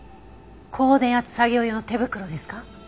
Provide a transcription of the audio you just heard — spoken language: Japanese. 高電圧作業用の手袋ですか？